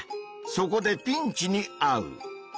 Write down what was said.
そこでピンチにあう！